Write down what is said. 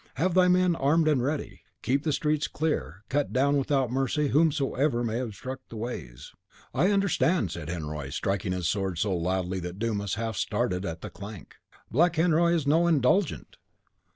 Have thy men armed and ready; keep the streets clear; cut down without mercy whomsoever may obstruct the ways." "I understand," said Henriot, striking his sword so loudly that Dumas half started at the clank, "Black Henriot is no 'Indulgent.